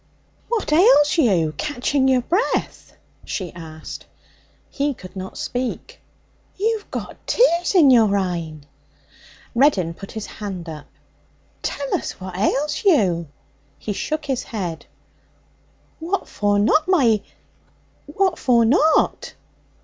'What ails you, catching your breath?' she asked. He could not speak. 'You've got tears in your eyne.' Reddin put his hand up. 'Tell us what ails you?' He shook his head. 'What for not, my what for not?'